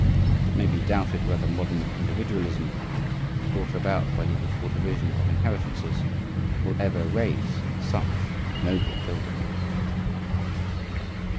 It may be doubted whether modern individualism, brought about by the equal division of inheritances, will ever raise such noble buildings.